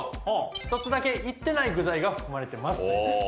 「１つだけ言ってない具材が含まれてます」ということです。